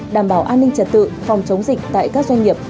đảm bảo an ninh trật tự phòng chống dịch tại các doanh nghiệp